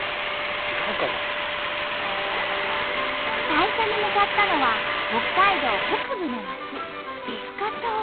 最初に向かったのは北海道北部の町美深町。